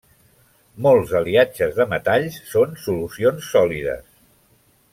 Molts aliatges de metalls són solucions sòlides.